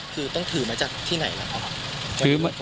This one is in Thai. คือต้องถือมาจากที่ไหนแล้วครับ